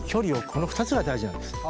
この２つが大事なんです。